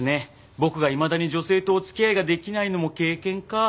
僕がいまだに女性とお付き合いが出来ないのも経験か。